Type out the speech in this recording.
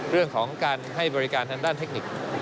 เรื่องของการให้บริการทางด้านเทคนิค